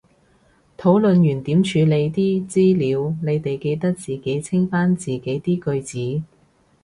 討論完點處理啲資料，你哋記得自己清返自己啲句子